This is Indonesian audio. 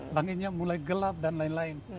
langitnya mulai gelap dan lain lain